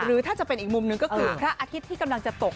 หรือถ้าจะเป็นอีกมุมหนึ่งก็คือพระอาทิตย์ที่กำลังจะตก